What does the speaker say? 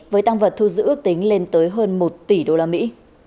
với tăng vật thu giữ tính lên tới hơn một tỷ đô la mỹ